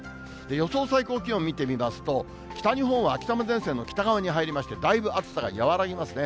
予想最高気温を見てみますと、北日本は秋雨前線の北側に入りまして、だいぶ暑さが和らぎますね。